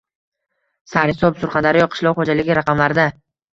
Sarhisob: Surxondaryo qishloq xo‘jaligi raqamlarda